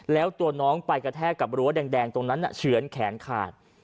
แล้วตัวน้องไปกระแทกกับรั้วแดงตรงนั้นเฉือนแขนขาด